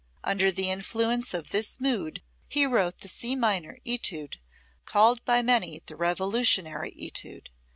Under the influence of this mood he wrote the C minor Etude, called by many the Revolutionary Etude.